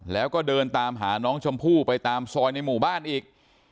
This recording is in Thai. แล้วก็เดินตามหาน้องชมพู่ไปตามซอยในหมู่บ้านอีก